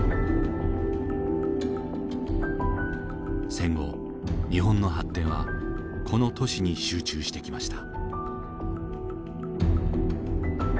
戦後日本の発展はこの都市に集中してきました。